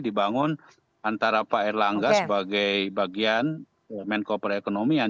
dibangun antara pak erlangga sebagai bagian menko perekonomian